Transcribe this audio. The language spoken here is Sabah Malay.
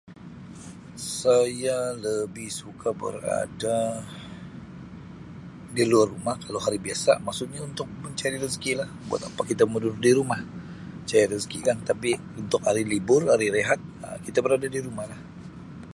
Saya lebih suka berada di luar rumah kalau hari biasa maksudnya untuk mencari rezeki lah buat apa kita mau duduk di rumah cari rezeki kan tapi untuk hari libur hari rehat Um kita berada di rumah lah.